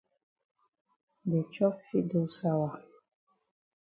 De chop fit don sawa.